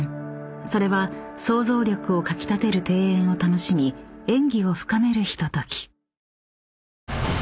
［それは想像力をかき立てる庭園を楽しみ演技を深めるひととき］